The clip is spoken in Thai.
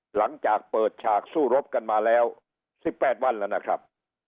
หลังจากเปิดฉากสู้รบกันมาแล้ว๑๘วันแล้วนะครับ